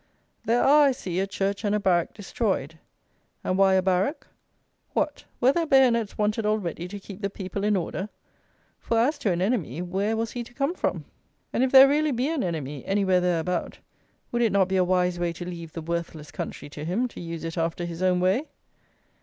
There are, I see, a church and a barrack destroyed. And why a barrack? What! were there bayonets wanted already to keep the people in order? For as to an enemy, where was he to come from? And if there really be an enemy anywhere there about, would it not be a wise way to leave the worthless country to him, to use it after his own way?